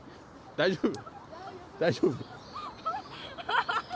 大丈夫？